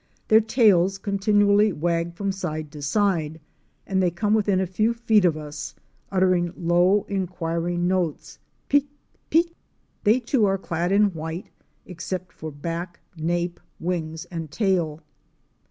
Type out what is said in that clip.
Their tails continually wag from side to side, and they come within a few feet of us, uttering low inquiring notes: pit! pit! They too are clad in white, except for back, nape, wings, and tail.